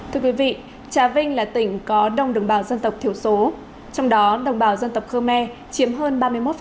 thưa quý vị trà vinh là tỉnh có đông đồng bào dân tộc thiểu số trong đó đồng bào dân tộc khơ me chiếm hơn ba mươi một